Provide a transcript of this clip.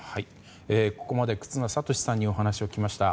ここまで忽那賢志さんにお話を聞きました。